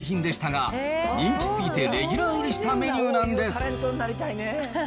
実はもともと期間限定品でしたが、人気すぎてレギュラー入りしたメニューなんです。